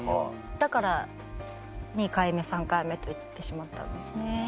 だから２回目３回目と行ってしまったんですね。